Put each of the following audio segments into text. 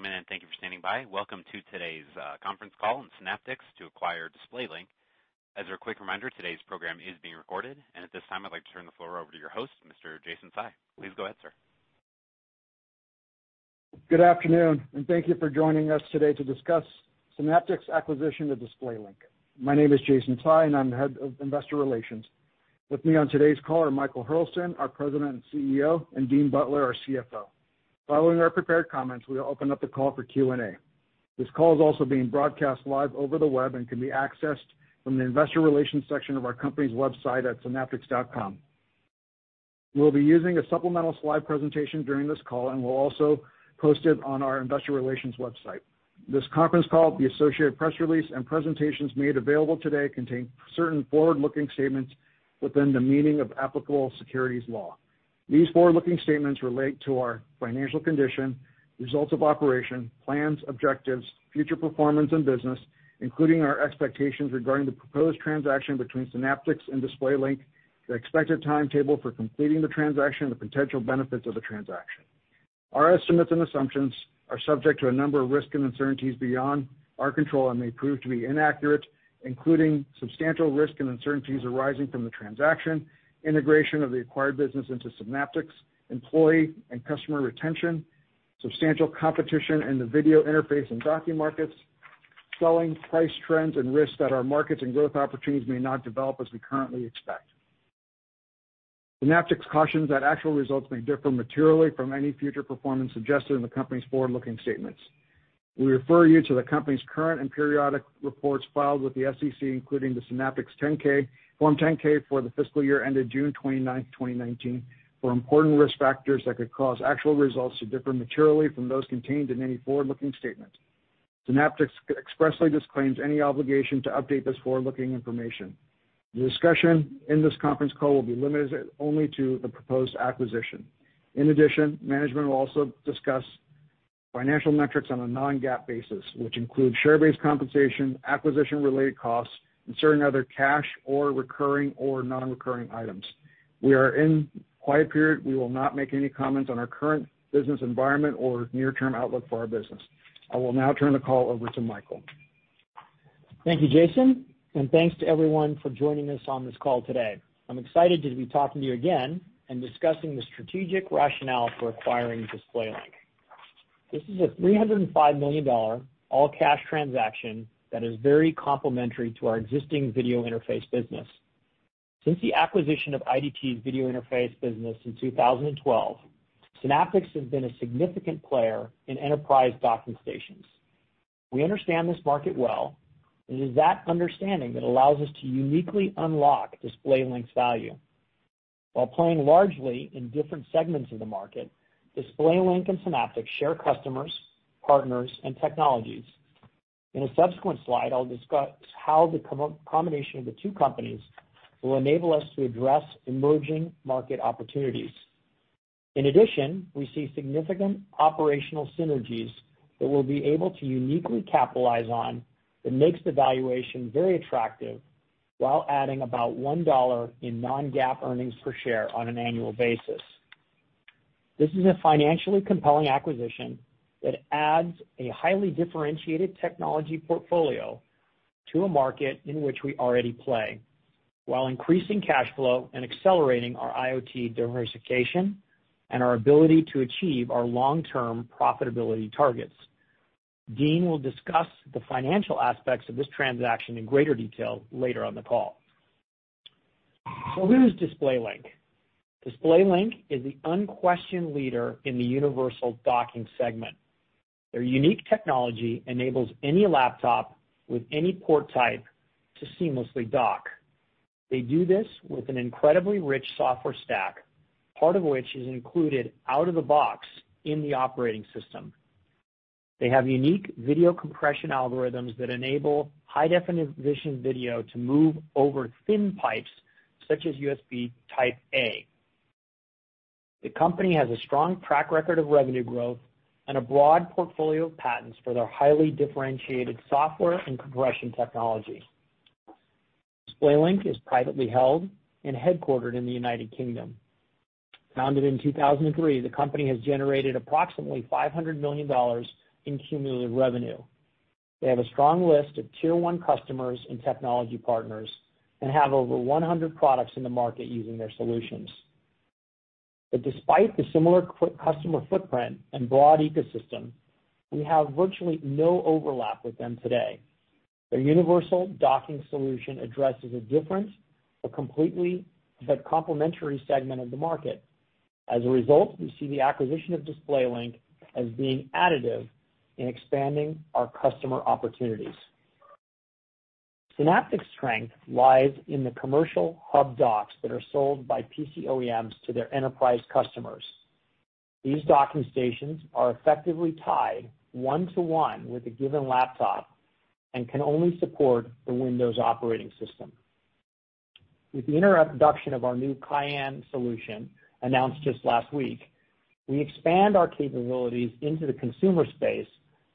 Good day, ladies and gentlemen, and thank you for standing by. Welcome to today's conference call on Synaptics to acquire DisplayLink. As a quick reminder, today's program is being recorded, and at this time, I'd like to turn the floor over to your host, Mr. Jason Tsai. Please go ahead, sir. Good afternoon, and thank you for joining us today to discuss Synaptics' acquisition of DisplayLink. My name is Jason Tsai, and I'm the Head of Investor Relations. With me on today's call are Michael Hurlston, our President and CEO, and Dean Butler, our CFO. Following our prepared comments, we'll open up the call for Q&A. This call is also being broadcast live over the web and can be accessed from the investor relations section of our company's website at synaptics.com. We'll be using a supplemental slide presentation during this call, and we'll also post it on our investor relations website. This conference call, the associated press release, and presentations made available today contain certain forward-looking statements within the meaning of applicable securities law. These forward-looking statements relate to our financial condition, results of operation, plans, objectives, future performance, and business, including our expectations regarding the proposed transaction between Synaptics and DisplayLink, the expected timetable for completing the transaction, and the potential benefits of the transaction. Our estimates and assumptions are subject to a number of risks and uncertainties beyond our control and may prove to be inaccurate, including substantial risks and uncertainties arising from the transaction, integration of the acquired business into Synaptics, employee and customer retention, substantial competition in the video interface and docking markets, selling price trends, and risks that our markets and growth opportunities may not develop as we currently expect. Synaptics cautions that actual results may differ materially from any future performance suggested in the company's forward-looking statements. We refer you to the company's current and periodic reports filed with the SEC, including the Synaptics Form 10-K for the fiscal year ended June 29th, 2019, for important risk factors that could cause actual results to differ materially from those contained in any forward-looking statement. Synaptics expressly disclaims any obligation to update this forward-looking information. The discussion in this conference call will be limited only to the proposed acquisition. In addition, management will also discuss financial metrics on a non-GAAP basis, which include share-based compensation, acquisition-related costs, and certain other cash or recurring or non-recurring items. We are in a quiet period. We will not make any comments on our current business environment or near-term outlook for our business. I will now turn the call over to Michael. Thank you, Jason, and thanks to everyone for joining us on this call today. I'm excited to be talking to you again and discussing the strategic rationale for acquiring DisplayLink. This is a $305 million all-cash transaction that is very complementary to our existing video interface business. Since the acquisition of IDT's video interface business in 2012, Synaptics has been a significant player in enterprise docking stations. We understand this market well, it is that understanding that allows us to uniquely unlock DisplayLink's value. While playing largely in different segments of the market, DisplayLink and Synaptics share customers, partners, and technologies. In a subsequent slide, I'll discuss how the combination of the two companies will enable us to address emerging market opportunities. In addition, we see significant operational synergies that we'll be able to uniquely capitalize on that makes the valuation very attractive while adding about $1 in non-GAAP earnings per share on an annual basis. This is a financially compelling acquisition that adds a highly differentiated technology portfolio to a market in which we already play while increasing cash flow and accelerating our IoT diversification and our ability to achieve our long-term profitability targets. Dean will discuss the financial aspects of this transaction in greater detail later on the call. Who's DisplayLink? DisplayLink is the unquestioned leader in the universal docking segment. Their unique technology enables any laptop with any port type to seamlessly dock. They do this with an incredibly rich software stack, part of which is included out of the box in the operating system. They have unique video compression algorithms that enable high-definition video to move over thin pipes, such as USB Type-A. The company has a strong track record of revenue growth and a broad portfolio of patents for their highly differentiated software and compression technology. DisplayLink is privately held and headquartered in the U.K. Founded in 2003, the company has generated approximately $500 million in cumulative revenue. They have a strong list of tier-one customers and technology partners and have over 100 products in the market using their solutions. Despite the similar customer footprint and broad ecosystem, we have virtually no overlap with them today. Their universal docking solution addresses a different but complementary segment of the market. As a result, we see the acquisition of DisplayLink as being additive in expanding our customer opportunities. Synaptics' strength lies in the commercial hub docks that are sold by PC OEMs to their enterprise customers. These docking stations are effectively tied one to one with a given laptop and can only support the Windows operating system. With the introduction of our new Cayenne solution announced just last week, we expand our capabilities into the consumer space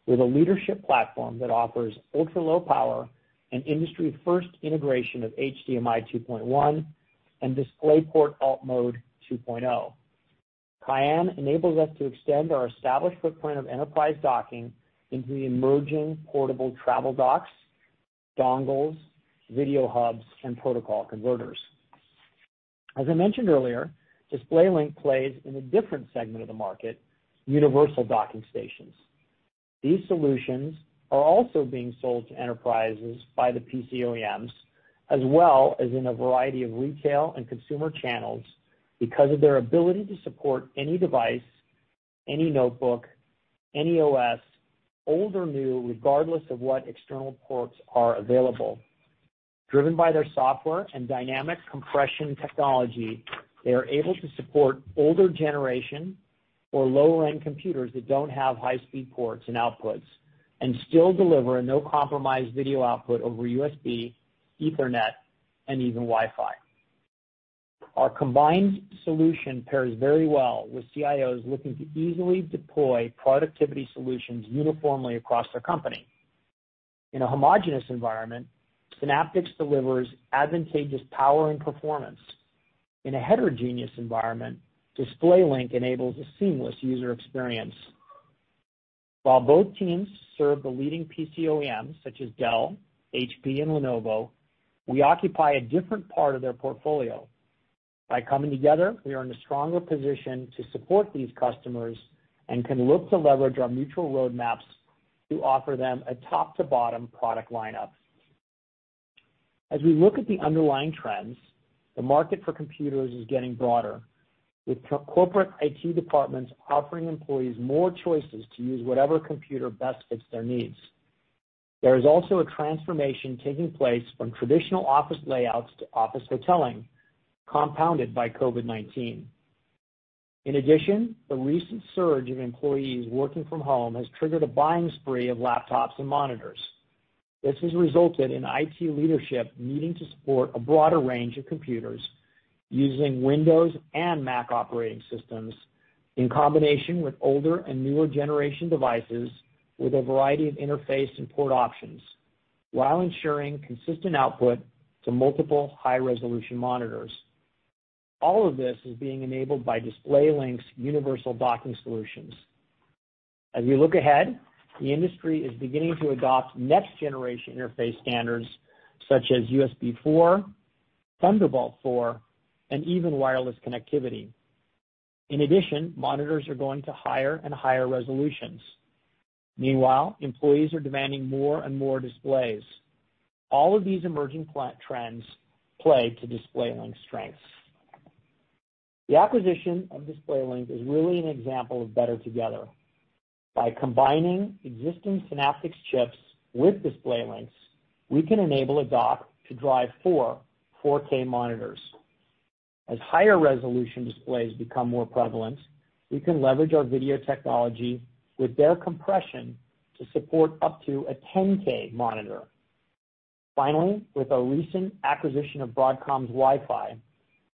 with a leadership platform that offers ultra-low power and industry first integration of HDMI 2.1 and DisplayPort Alt Mode 2.0. Cayenne enables us to extend our established footprint of enterprise docking into the emerging portable travel docks, dongles, video hubs, and protocol converters. As I mentioned earlier, DisplayLink plays in a different segment of the market, universal docking stations. These solutions are also being sold to enterprises by the PC OEMs, as well as in a variety of retail and consumer channels because of their ability to support any device, any notebook, any OS, old or new, regardless of what external ports are available. Driven by their software and dynamic compression technology, they are able to support older generation or lower-end computers that don't have high-speed ports and outputs, and still deliver a no-compromise video output over USB, Ethernet, and even Wi-Fi. Our combined solution pairs very well with CIOs looking to easily deploy productivity solutions uniformly across their company. In a homogenous environment, Synaptics delivers advantageous power and performance. In a heterogeneous environment, DisplayLink enables a seamless user experience. While both teams serve the leading PC OEMs such as Dell, HP, and Lenovo, we occupy a different part of their portfolio. By coming together, we are in a stronger position to support these customers and can look to leverage our mutual roadmaps to offer them a top-to-bottom product lineup. As we look at the underlying trends, the market for computers is getting broader, with corporate IT departments offering employees more choices to use whatever computer best fits their needs. There is also a transformation taking place from traditional office layouts to office hoteling, compounded by COVID-19. The recent surge of employees working from home has triggered a buying spree of laptops and monitors. This has resulted in IT leadership needing to support a broader range of computers using Windows and Mac operating systems, in combination with older and newer generation devices with a variety of interface and port options, while ensuring consistent output to multiple high-resolution monitors. All of this is being enabled by DisplayLink's universal docking solutions. As we look ahead, the industry is beginning to adopt next-generation interface standards such as USB4, Thunderbolt 4, and even wireless connectivity. In addition, monitors are going to higher and higher resolutions. Meanwhile, employees are demanding more and more displays. All of these emerging trends play to DisplayLink's strengths. The acquisition of DisplayLink is really an example of better together. By combining existing Synaptics chips with DisplayLink's, we can enable a dock to drive four 4K monitors. As higher resolution displays become more prevalent, we can leverage our video technology with their compression to support up to a 10K monitor. Finally, with our recent acquisition of Broadcom's Wi-Fi,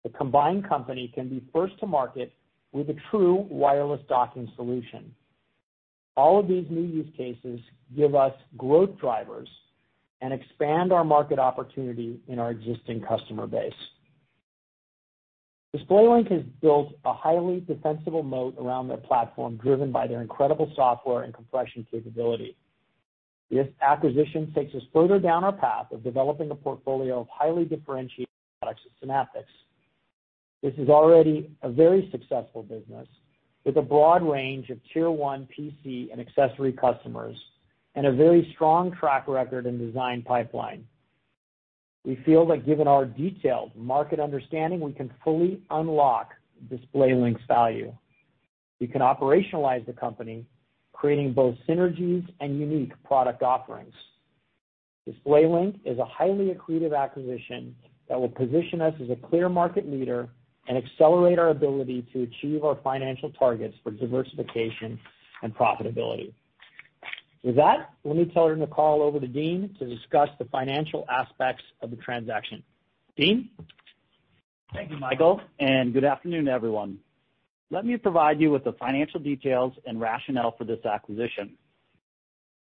the combined company can be first to market with a true wireless docking solution. All of these new use cases give us growth drivers and expand our market opportunity in our existing customer base. DisplayLink has built a highly defensible moat around their platform, driven by their incredible software and compression capability. This acquisition takes us further down our path of developing a portfolio of highly differentiated products at Synaptics. This is already a very successful business, with a broad range of Tier 1 PC and accessory customers, and a very strong track record and design pipeline. We feel that given our detailed market understanding, we can fully unlock DisplayLink's value. We can operationalize the company, creating both synergies and unique product offerings. DisplayLink is a highly accretive acquisition that will position us as a clear market leader and accelerate our ability to achieve our financial targets for diversification and profitability. With that, let me turn the call over to Dean to discuss the financial aspects of the transaction. Dean? Thank you, Michael. Good afternoon, everyone. Let me provide you with the financial details and rationale for this acquisition.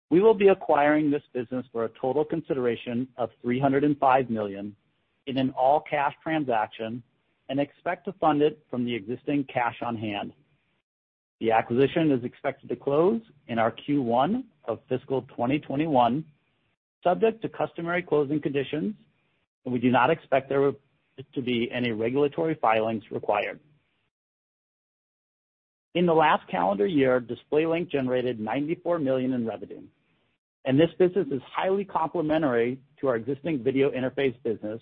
We will be acquiring this business for a total consideration of $305 million in an all-cash transaction. We expect to fund it from the existing cash on hand. The acquisition is expected to close in our Q1 of fiscal 2021, subject to customary closing conditions. We do not expect there to be any regulatory filings required. In the last calendar year, DisplayLink generated $94 million in revenue. This business is highly complementary to our existing video interface business,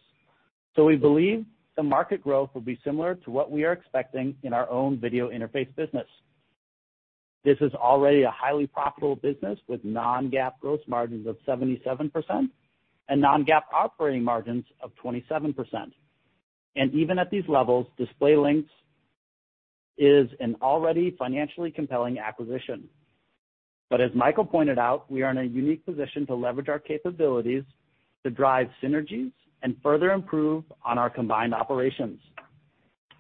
so we believe the market growth will be similar to what we are expecting in our own video interface business. This is already a highly profitable business with non-GAAP gross margins of 77% and non-GAAP operating margins of 27%. Even at these levels, DisplayLink is an already financially compelling acquisition. As Michael pointed out, we are in a unique position to leverage our capabilities to drive synergies and further improve on our combined operations.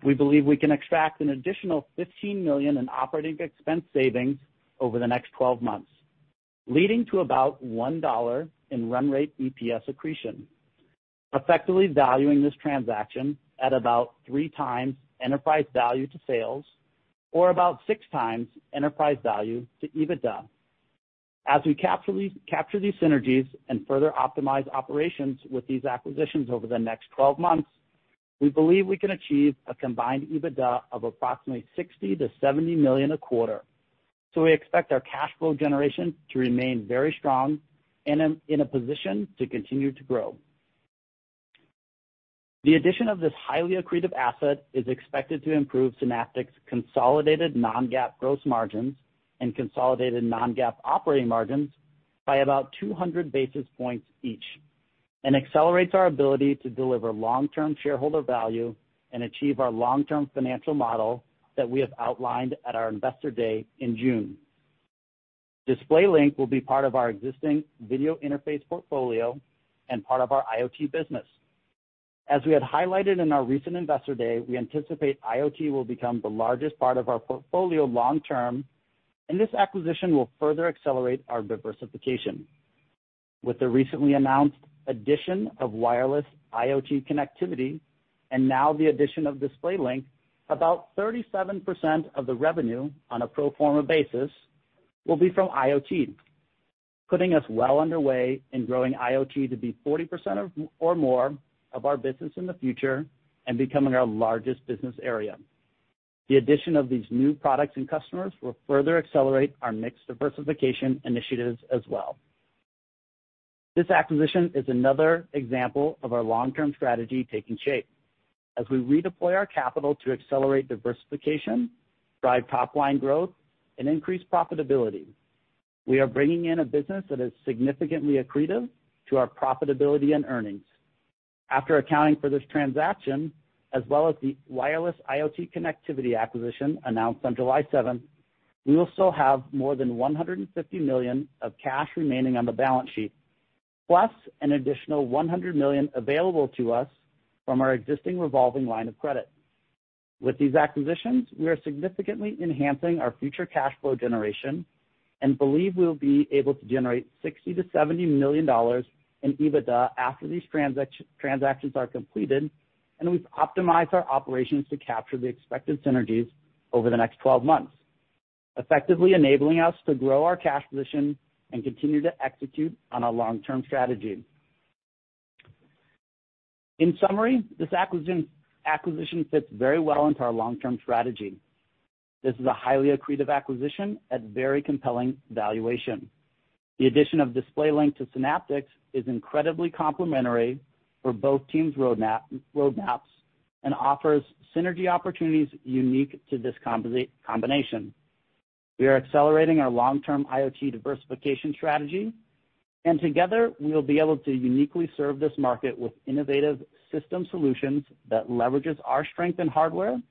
We believe we can extract an additional $15 million in operating expense savings over the next 12 months, leading to about $1 in run rate EPS accretion, effectively valuing this transaction at about 3 times enterprise value to sales or about 6 times enterprise value to EBITDA. As we capture these synergies and further optimize operations with these acquisitions over the next 12 months, we believe we can achieve a combined EBITDA of approximately $60 million-$70 million a quarter. We expect our cash flow generation to remain very strong and in a position to continue to grow. The addition of this highly accretive asset is expected to improve Synaptics' consolidated non-GAAP gross margins and consolidated non-GAAP operating margins by about 200 basis points each and accelerates our ability to deliver long-term shareholder value and achieve our long-term financial model that we have outlined at our Investor Day in June. DisplayLink will be part of our existing video interface portfolio and part of our IoT business. As we had highlighted in our recent Investor Day, we anticipate IoT will become the largest part of our portfolio long term, and this acquisition will further accelerate our diversification. With the recently announced addition of wireless IoT connectivity, and now the addition of DisplayLink, about 37% of the revenue on a pro forma basis will be from IoT, putting us well underway in growing IoT to be 40% or more of our business in the future and becoming our largest business area. The addition of these new products and customers will further accelerate our mix diversification initiatives as well. This acquisition is another example of our long-term strategy taking shape as we redeploy our capital to accelerate diversification, drive top-line growth, and increase profitability. We are bringing in a business that is significantly accretive to our profitability and earnings. After accounting for this transaction, as well as the wireless IoT connectivity acquisition announced on July 7th, we will still have more than $150 million of cash remaining on the balance sheet, plus an additional $100 million available to us from our existing revolving line of credit. With these acquisitions, we are significantly enhancing our future cash flow generation and believe we'll be able to generate $60 million-$70 million in EBITDA after these transactions are completed, and we've optimized our operations to capture the expected synergies over the next 12 months, effectively enabling us to grow our cash position and continue to execute on our long-term strategy. In summary, this acquisition fits very well into our long-term strategy. This is a highly accretive acquisition at very compelling valuation. The addition of DisplayLink to Synaptics is incredibly complementary for both teams' roadmaps and offers synergy opportunities unique to this combination. We are accelerating our long-term IoT diversification strategy. Together we will be able to uniquely serve this market with innovative system solutions that leverages our strength in hardware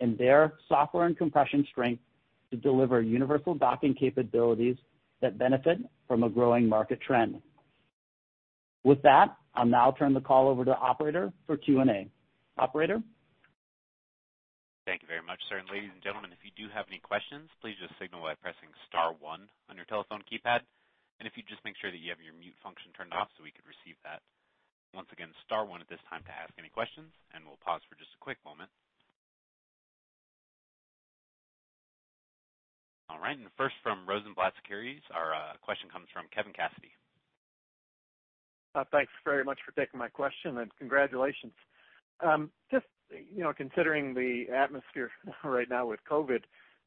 and their software and compression strength to deliver universal docking capabilities that benefit from a growing market trend. With that, I'll now turn the call over to operator for Q&A. Operator? Thank you very much, sir. Ladies and gentlemen, if you do have any questions, please just signal by pressing star one on your telephone keypad, and if you'd just make sure that you have your mute function turned off so we could receive that. Once again, star one at this time to ask any questions, and we'll pause for just a quick moment. All right, first from Rosenblatt Securities, our question comes from Kevin Cassidy. Thanks very much for taking my question and congratulations. Just considering the atmosphere right now with COVID,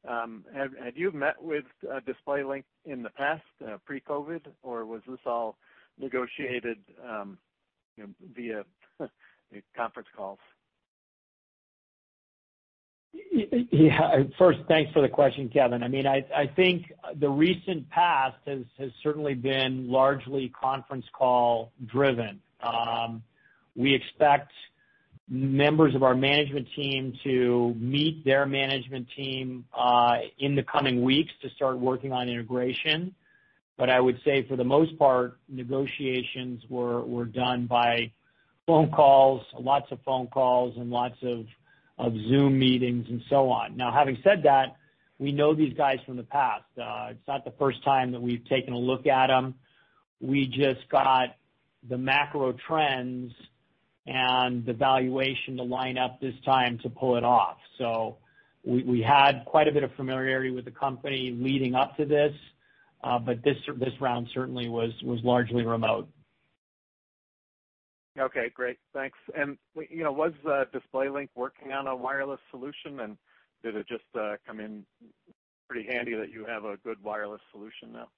had you met with DisplayLink in the past, pre-COVID, or was this all negotiated via conference calls? First, thanks for the question, Kevin. I think the recent past has certainly been largely conference call driven. We expect members of our management team to meet their management team in the coming weeks to start working on integration. I would say for the most part, negotiations were done by phone calls, lots of phone calls, and lots of Zoom meetings, and so on. Having said that, we know these guys from the past. It's not the first time that we've taken a look at them. We just got the macro trends and the valuation to line up this time to pull it off. We had quite a bit of familiarity with the company leading up to this, but this round certainly was largely remote. Okay, great. Thanks. Was DisplayLink working on a wireless solution, and did it just come in pretty handy that you have a good wireless solution now?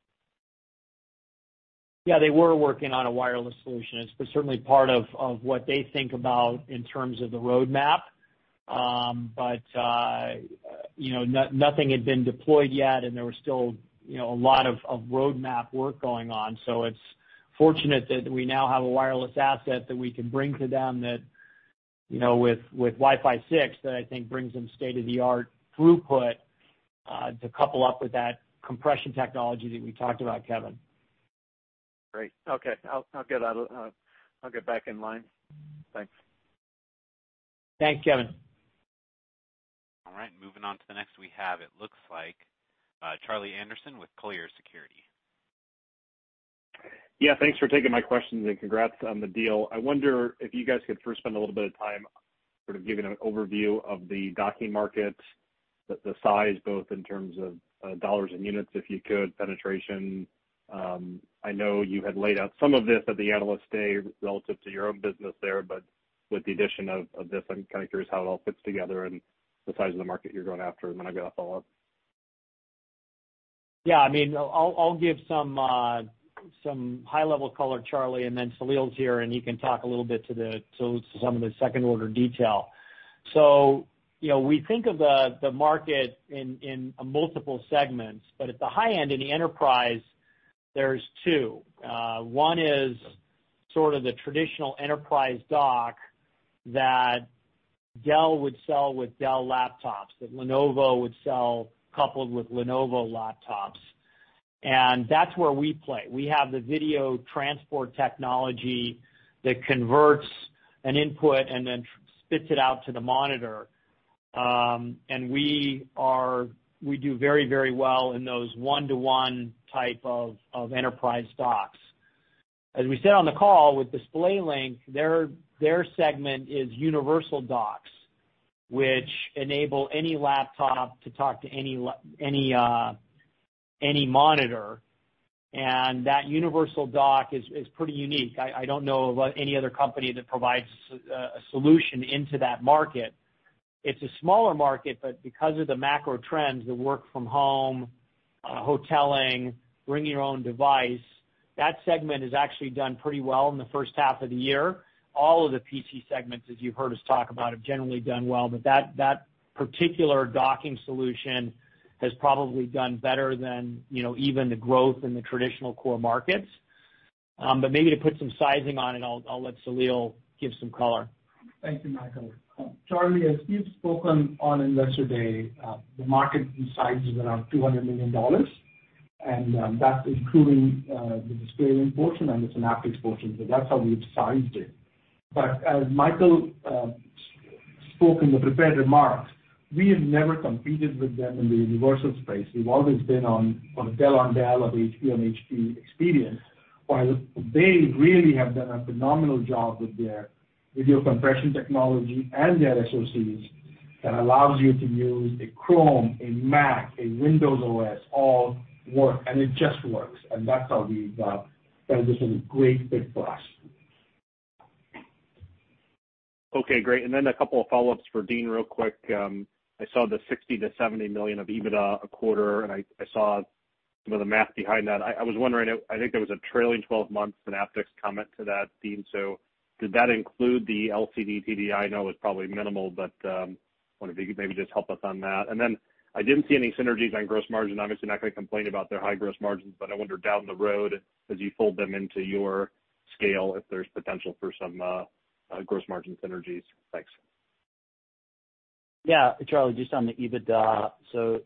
They were working on a wireless solution. It's certainly part of what they think about in terms of the roadmap. Nothing had been deployed yet, and there was still a lot of roadmap work going on. It's fortunate that we now have a wireless asset that we can bring to them that with Wi-Fi 6, that I think brings them state-of-the-art throughput to couple up with that compression technology that we talked about, Kevin. Great. Okay. I'll get back in line. Thanks. Thanks, Kevin. All right, moving on to the next we have, it looks like Charlie Anderson with Colliers Securities. Yeah. Thanks for taking my questions, and congrats on the deal. I wonder if you guys could first spend a little bit of time sort of giving an overview of the docking market, the size, both in terms of US dollars and units, if you could, penetration. I know you had laid out some of this at the Analyst Day relative to your own business there, but with the addition of this, I'm kind of curious how it all fits together and the size of the market you're going after. I've got a follow-up. I'll give some high-level color, Charlie, and then Saleel's here, and he can talk a little bit to some of the second-order detail. We think of the market in multiple segments, but at the high end in the enterprise, there's two. One is sort of the traditional enterprise dock that Dell would sell with Dell laptops, that Lenovo would sell coupled with Lenovo laptops. That's where we play. We have the video transport technology that converts an input and then spits it out to the monitor. We do very well in those one-to-one type of enterprise docks. As we said on the call with DisplayLink, their segment is universal docks, which enable any laptop to talk to any monitor, and that universal dock is pretty unique. I don't know of any other company that provides a solution into that market. It's a smaller market because of the macro trends, the work from home, hoteling, bring your own device, that segment has actually done pretty well in the first half of the year. All of the PC segments, as you've heard us talk about, have generally done well, but that particular docking solution has probably done better than even the growth in the traditional core markets. Maybe to put some sizing on it, I'll let Saleel give some color. Thank you, Michael. Charlie, as Saleel spoken on Investor Day, the market size is around $200 million, That's including the DisplayLink portion and the Synaptics portion. That's how we've sized it. As Michael spoke in the prepared remarks, we have never competed with them in the universal space. We've always been on a Dell on Dell or HP on HP experience. While they really have done a phenomenal job with their video compression technology and their associates that allows you to use a Chrome, a Mac, a Windows OS, all work, and it just works. That's how we've done. That was a great fit for us. Okay, great. Then a couple of follow-ups for Dean real quick. I saw the $60 million-$70 million of EBITDA a quarter, I saw some of the math behind that. I was wondering, I think there was a trailing 12 months Synaptics comment to that, Dean. Did that include the LCD TV? I know it's probably minimal, I wonder if you could maybe just help us on that. Then I didn't see any synergies on gross margin. Obviously not going to complain about their high gross margins, I wonder down the road as you fold them into your scale, if there's potential for some gross margin synergies. Thanks. Yeah. Charlie, just on the EBITDA,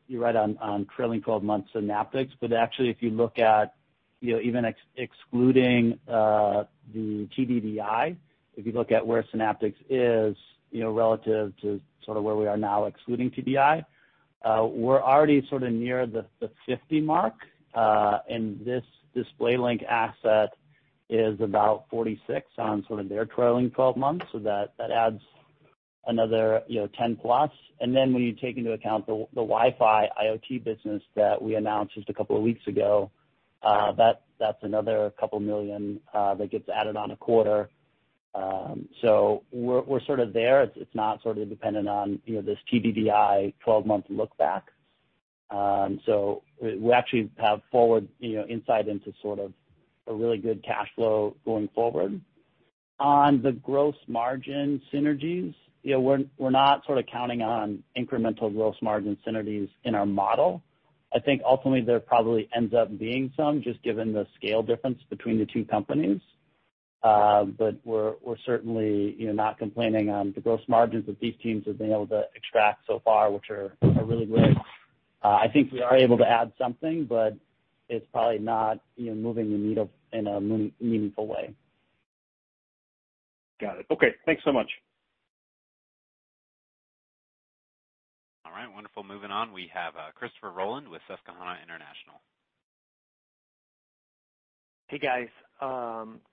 you're right on trailing 12 months Synaptics. Actually, if you look at even excluding the TDDI, if you look at where Synaptics is relative to sort of where we are now excluding TDDI, we're already sort of near the 50 mark. This DisplayLink asset is about 46 on sort of their trailing 12 months. That adds another 10 plus. Then when you take into account the Wi-Fi IoT business that we announced just a couple of weeks ago, that's another couple million that gets added on a quarter. We're sort of there. It's not sort of dependent on this TDDI 12-month look back. We actually have forward insight into sort of a really good cash flow going forward. On the gross margin synergies, we're not sort of counting on incremental gross margin synergies in our model. I think ultimately there probably ends up being some, just given the scale difference between the two companies. We're certainly not complaining on the gross margins that these teams have been able to extract so far, which are really great. I think we are able to add something, it's probably not moving the needle in a meaningful way. Got it. Okay. Thanks so much. All right. Wonderful. Moving on, we have Christopher Rolland with Susquehanna International. Hey, guys.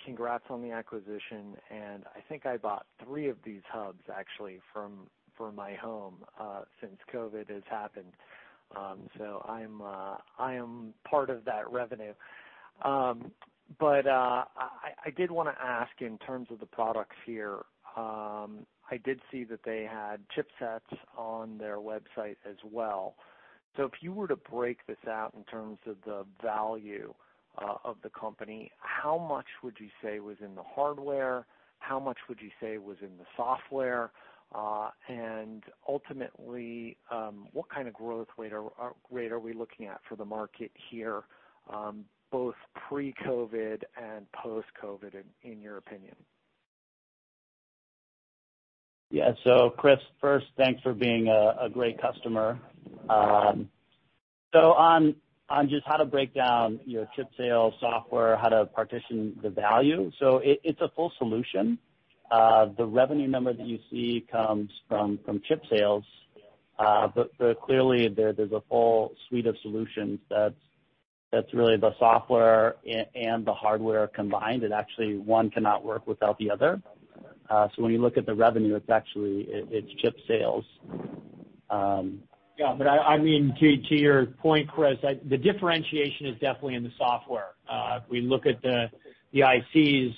Congrats on the acquisition, I think I bought three of these hubs actually for my home since COVID has happened. I am part of that revenue. I did want to ask in terms of the products here. I did see that they had chipsets on their website as well. If you were to break this out in terms of the value of the company, how much would you say was in the hardware? How much would you say was in the software? Ultimately, what kind of growth rate are we looking at for the market here, both pre-COVID and post-COVID, in your opinion? Yeah. Chris, first, thanks for being a great customer. On just how to break down chip sales software, how to partition the value. It's a full solution. The revenue number that you see comes from chip sales. Clearly there's a full suite of solutions that's really the software and the hardware combined, and actually one cannot work without the other. When you look at the revenue, it's chip sales. Yeah, to your point, Chris, the differentiation is definitely in the software. If we look at the ICs,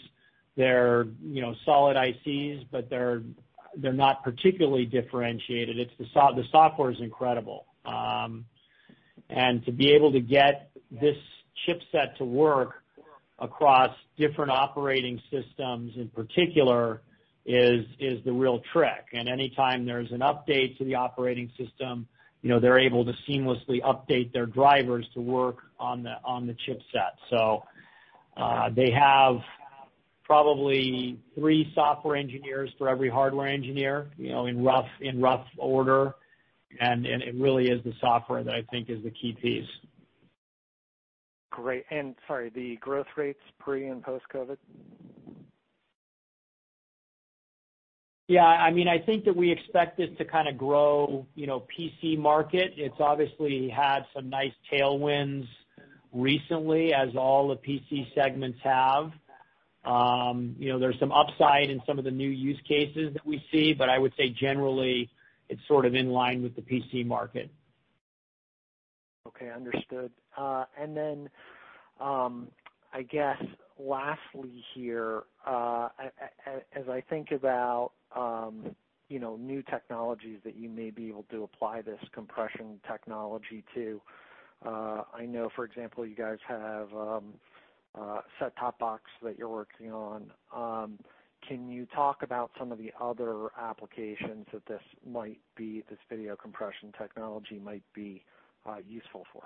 they're solid ICs, but they're not particularly differentiated. The software's incredible. To be able to get this chipset to work across different operating systems in particular is the real trick. Anytime there's an update to the operating system, they're able to seamlessly update their drivers to work on the chipset. They have probably three software engineers for every hardware engineer, in rough order, and it really is the software that I think is the key piece. Great. Sorry, the growth rates pre and post-COVID? Yeah, I think that we expect this to kind of grow PC market. It's obviously had some nice tailwinds recently, as all the PC segments have. There's some upside in some of the new use cases that we see, but I would say generally, it's sort of in line with the PC market. Okay, understood. I guess lastly here, as I think about new technologies that you may be able to apply this compression technology to, I know, for example, you guys have a set-top box that you're working on. Can you talk about some of the other applications that this video compression technology might be useful for?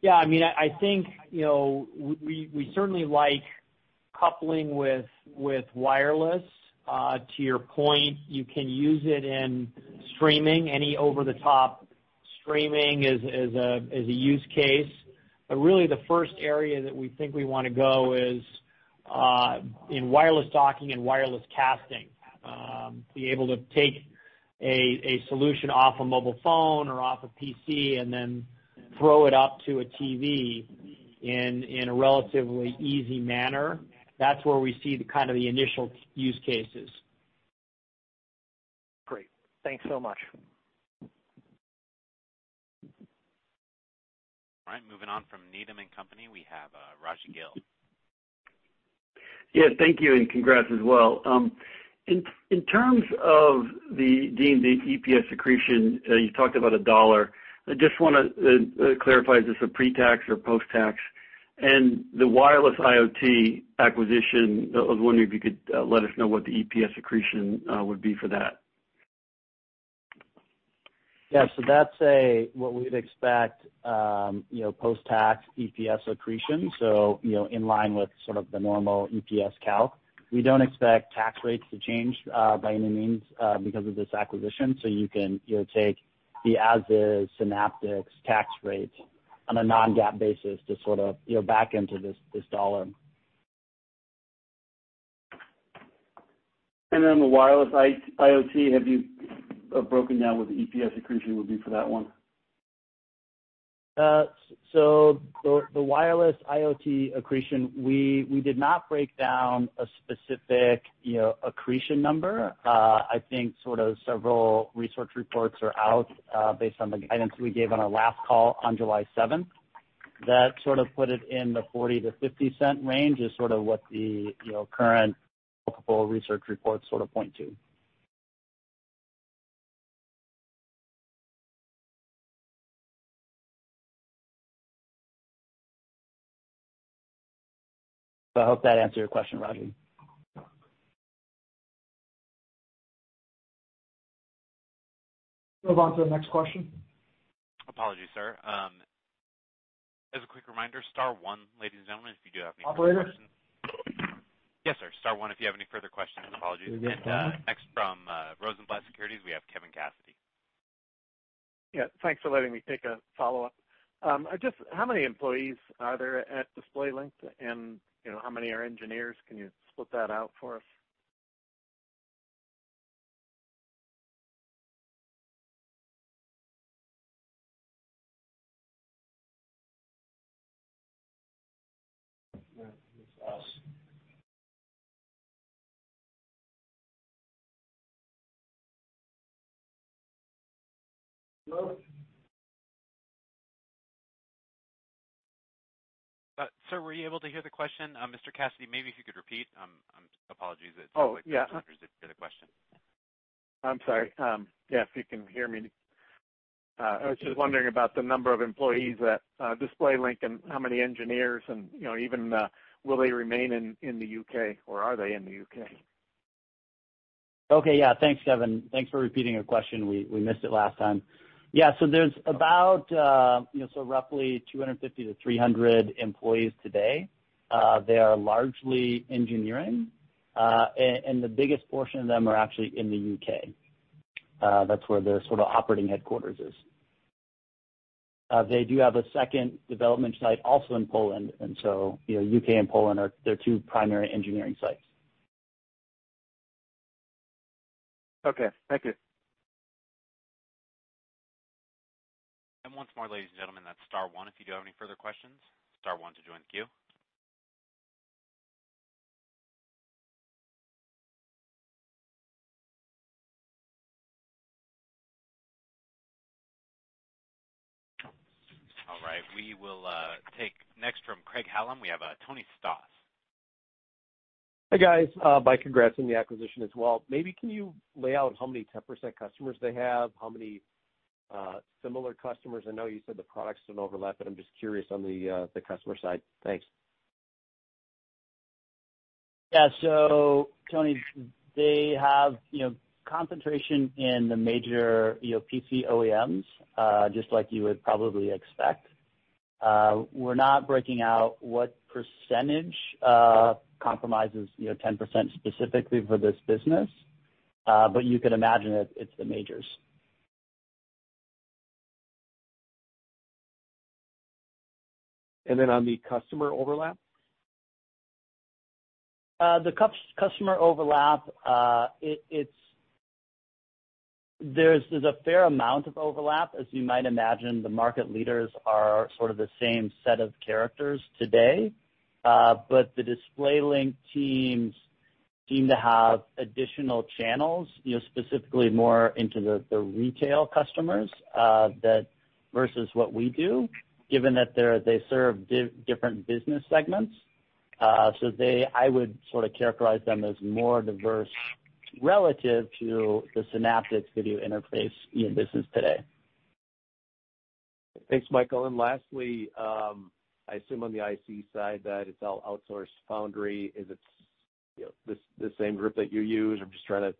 Yeah, I think we certainly like coupling with wireless. To your point, you can use it in streaming. Any over the top streaming is a use case. Really the first area that we think we want to go is in wireless docking and wireless casting. Be able to take a solution off a mobile phone or off a PC and then throw it up to a TV in a relatively easy manner. That's where we see the initial use cases. Great. Thanks so much. All right, moving on from Needham & Company, we have Rajvindra Gill. Yeah, thank you, and congrats as well. In terms of the EPS accretion, you talked about $1. I just want to clarify is this a pre-tax or post-tax? The wireless IoT acquisition, I was wondering if you could let us know what the EPS accretion would be for that. Yeah, that's what we'd expect post-tax EPS accretion. In line with sort of the normal EPS calc. We don't expect tax rates to change by any means because of this acquisition, so you can take the as-is Synaptics tax rate on a non-GAAP basis to sort of back into this dollar. The wireless IoT, have you broken down what the EPS accretion would be for that one? The wireless IoT accretion, we did not break down a specific accretion number. I think sort of several research reports are out based on the guidance we gave on our last call on July 7th. That sort of put it in the $0.40-$0.50 range is sort of what the current multiple research reports sort of point to. I hope that answered your question, Raj. Move on to the next question. Apologies, sir. As a quick reminder, star one, ladies and gentlemen, if you do have any further questions. Operator? Yes, sir. Star one if you have any further questions. Apologies. Next from Rosenblatt Securities, we have Kevin Cassidy. Yeah, thanks for letting me take a follow-up. Just how many employees are there at DisplayLink and how many are engineers? Can you split that out for us? Yeah, that's us. Hello? Sir, were you able to hear the question? Mr. Cassidy, maybe if you could repeat. Apologies. Oh, yeah. did hear the question. I'm sorry. Yeah, if you can hear me. I was just wondering about the number of employees at DisplayLink and how many engineers and even will they remain in the U.K. or are they in the U.K.? Okay, yeah. Thanks, Kevin. Thanks for repeating the question. We missed it last time. There's about roughly 250 to 300 employees today. They are largely engineering, and the biggest portion of them are actually in the U.K. That's where their sort of operating headquarters is. They do have a second development site also in Poland. U.K. and Poland are their two primary engineering sites. Okay. Thank you. Once more, ladies and gentlemen, that's star 1 if you do have any further questions, star 1 to join the queue. Right. We will take next from Craig-Hallum. We have Anthony Stoss. Hi, guys. My congrats on the acquisition as well. Maybe can you lay out how many tier 1 customers they have? How many similar customers? I know you said the products don't overlap, but I'm just curious on the customer side. Thanks. Yeah. Tony, they have concentration in the major PC OEMs, just like you would probably expect. We're not breaking out what percentage comprises 10% specifically for this business. You could imagine it's the majors. On the customer overlap? The customer overlap, there's a fair amount of overlap. As you might imagine, the market leaders are sort of the same set of characters today. The DisplayLink teams seem to have additional channels, specifically more into the retail customers, that versus what we do, given that they serve different business segments. I would sort of characterize them as more diverse relative to the Synaptics video interface business today. Thanks, Michael. Lastly, I assume on the IC side that it's all outsourced foundry. Is it the same group that you use? I'm just trying to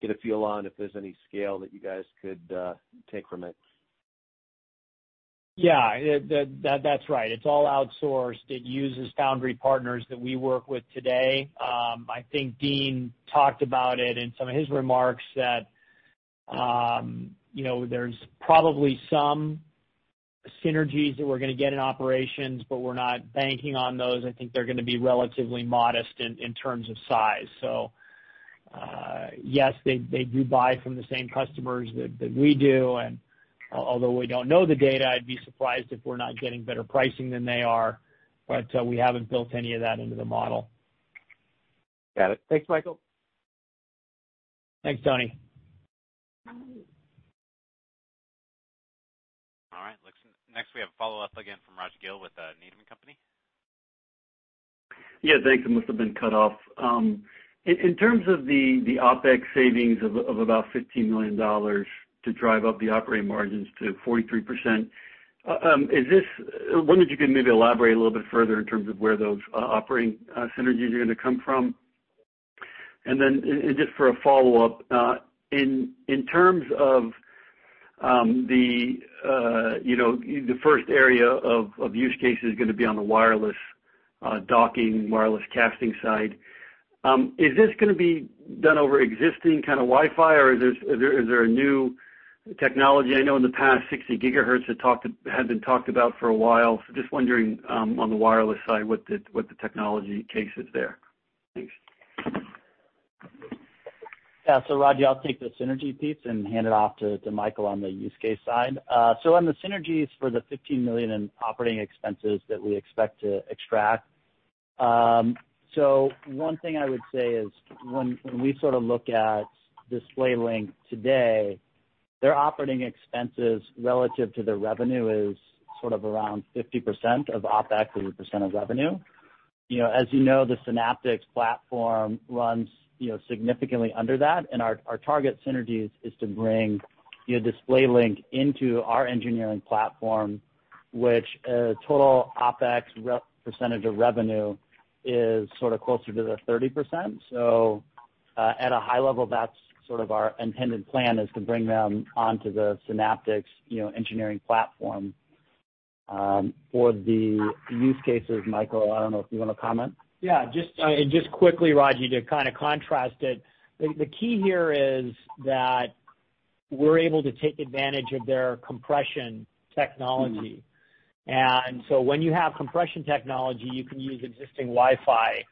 get a feel on if there's any scale that you guys could take from it. Yeah. That's right. It's all outsourced. It uses foundry partners that we work with today. I think Dean talked about it in some of his remarks that there's probably some synergies that we're going to get in operations. We're not banking on those. I think they're going to be relatively modest in terms of size. Yes, they do buy from the same customers that we do. Although we don't know the data, I'd be surprised if we're not getting better pricing than they are. We haven't built any of that into the model. Got it. Thanks, Michael. Thanks, Tony. All right. Next, we have a follow-up again from Raj Gill with Needham & Company. Yeah. Thanks. I must've been cut off. In terms of the OpEx savings of about $15 million to drive up the operating margins to 43%, I wonder if you could maybe elaborate a little bit further in terms of where those operating synergies are going to come from. Just for a follow-up, in terms of the first area of use case is going to be on the wireless docking, wireless casting side. Is this going to be done over existing kind of Wi-Fi, or is there a new technology? I know in the past 60 gigahertz had been talked about for a while. Just wondering, on the wireless side, what the technology case is there. Thanks. Yeah. Raj, I'll take the synergy piece and hand it off to Michael on the use case side. On the synergies for the $15 million in operating expenses that we expect to extract, one thing I would say is when we sort of look at DisplayLink today, their operating expenses relative to their revenue is sort of around 50% of OpEx as a percent of revenue. As you know, the Synaptics platform runs significantly under that. Our target synergies is to bring DisplayLink into our engineering platform, which total OpEx percentage of revenue is sort of closer to the 30%. At a high level, that's sort of our intended plan, is to bring them onto the Synaptics engineering platform. For the use cases, Michael, I don't know if you want to comment. Yeah. Just quickly, Raj, to kind of contrast it, the key here is that we're able to take advantage of their compression technology. When you have compression technology, you can use existing Wi-Fi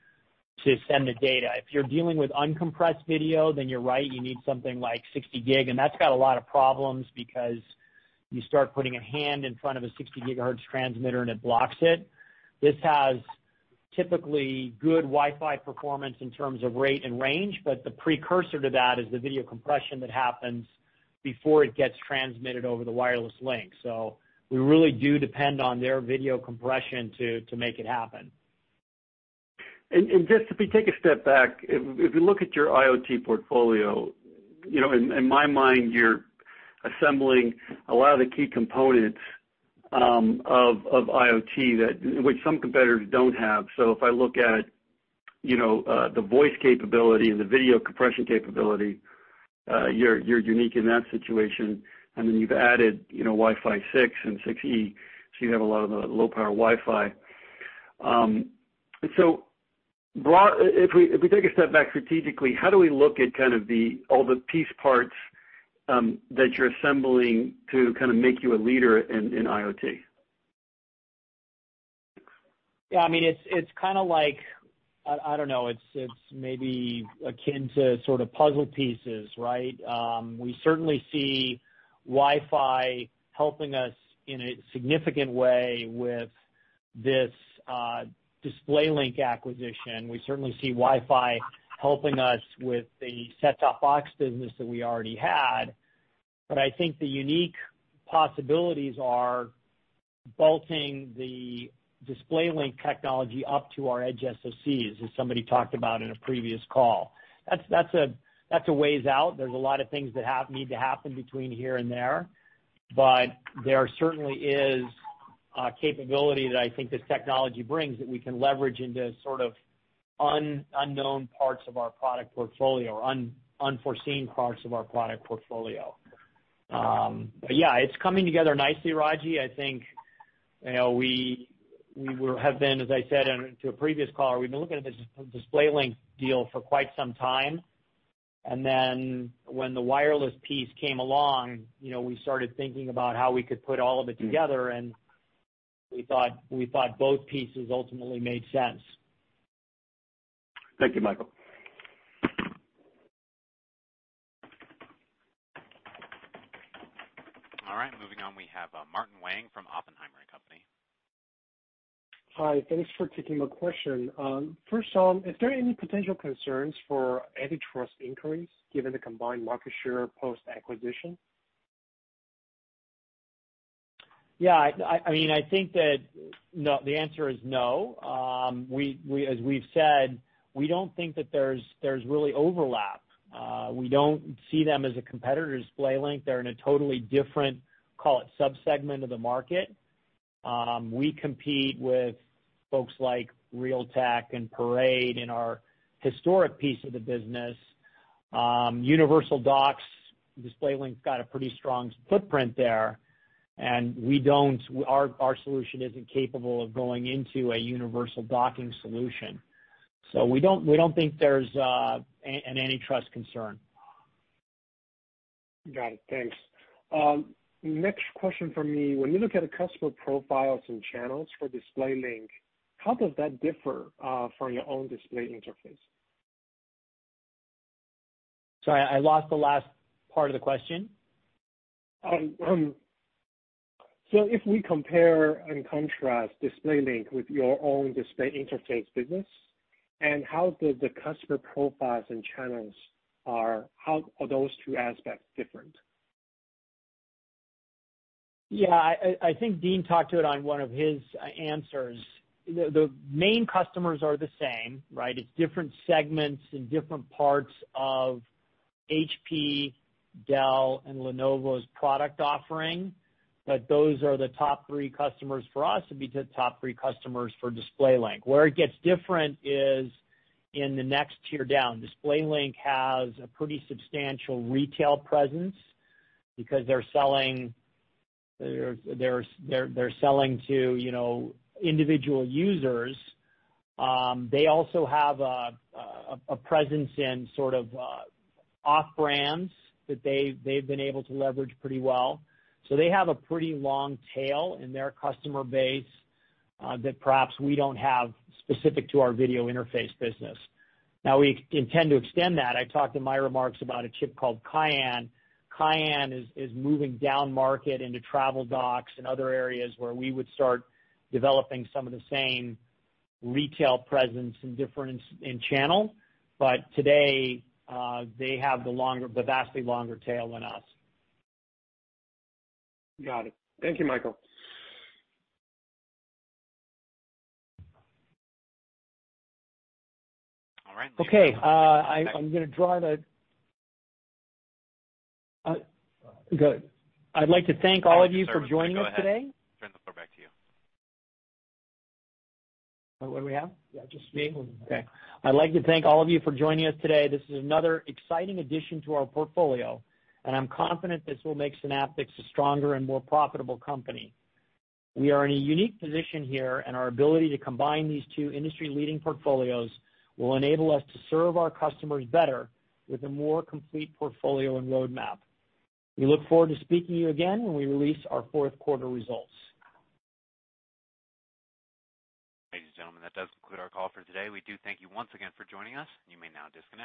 to send the data. If you're dealing with uncompressed video, then you're right, you need something like 60 gig, and that's got a lot of problems because you start putting a hand in front of a 60 gigahertz transmitter, and it blocks it. This has typically good Wi-Fi performance in terms of rate and range, but the precursor to that is the video compression that happens before it gets transmitted over the wireless link. We really do depend on their video compression to make it happen. Just if we take a step back, if we look at your IoT portfolio, in my mind, you're assembling a lot of the key components of IoT which some competitors don't have. If I look at the voice capability and the video compression capability, you're unique in that situation. Then you've added Wi-Fi 6 and 6E, so you have a lot of the low-power Wi-Fi. If we take a step back strategically, how do we look at all the piece parts that you're assembling to make you a leader in IoT? Yeah. It's maybe akin to sort of puzzle pieces, right? We certainly see Wi-Fi helping us in a significant way with this DisplayLink acquisition. We certainly see Wi-Fi helping us with the set-top box business that we already had. I think the unique possibilities are bolting the DisplayLink technology up to our edge SoCs, as somebody talked about in a previous call. That's a ways out. There's a lot of things that need to happen between here and there, but there certainly is a capability that I think this technology brings that we can leverage into sort of unknown parts of our product portfolio, unforeseen parts of our product portfolio. Yeah, it's coming together nicely, Raj. I think we have been, as I said to a previous caller, we've been looking at this DisplayLink deal for quite some time. When the wireless piece came along, we started thinking about how we could put all of it together. We thought both pieces ultimately made sense. Thank you, Michael. All right. Moving on, we have Martin Yang from Oppenheimer & Co. Hi. Thanks for taking my question. First off, is there any potential concerns for antitrust inquiries given the combined market share post-acquisition? I think that the answer is no. As we've said, we don't think that there's really overlap. We don't see them as a competitor, DisplayLink. They're in a totally different, call it sub-segment of the market. We compete with folks like Realtek and Parade in our historic piece of the business. Universal docks, DisplayLink's got a pretty strong footprint there, and our solution isn't capable of going into a universal docking solution. We don't think there's an antitrust concern. Got it. Thanks. Next question from me. When you look at the customer profiles and channels for DisplayLink, how does that differ from your own display interface? Sorry, I lost the last part of the question. If we compare and contrast DisplayLink with your own display interface business, and how are those two aspects different? Yeah. I think Dean talked to it on one of his answers. The main customers are the same, right? It's different segments and different parts of HP, Dell, and Lenovo's product offering, but those are the top three customers for us, it'd be the top three customers for DisplayLink. Where it gets different is in the next tier down. DisplayLink has a pretty substantial retail presence because they're selling to individual users. They also have a presence in sort of off-brands that they've been able to leverage pretty well. They have a pretty long tail in their customer base that perhaps we don't have specific to our video interface business. Now, we intend to extend that. I talked in my remarks about a chip called Cayenne. Cayenne is moving down market into travel docks and other areas where we would start developing some of the same retail presence and difference in channel. Today, they have the vastly longer tail than us. Got it. Thank you, Michael. All right. Okay. I'd like to thank all of you for joining us today. Sir, go ahead. Turn the floor back to you. What do we have? Yeah, just me. Okay. I'd like to thank all of you for joining us today. This is another exciting addition to our portfolio, and I'm confident this will make Synaptics a stronger and more profitable company. We are in a unique position here, and our ability to combine these two industry-leading portfolios will enable us to serve our customers better with a more complete portfolio and roadmap. We look forward to speaking to you again when we release our fourth quarter results. Ladies and gentlemen, that does conclude our call for today. We do thank you once again for joining us. You may now disconnect.